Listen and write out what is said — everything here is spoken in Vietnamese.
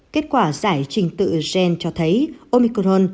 kết quả giải trình tự gen cho thấy omicron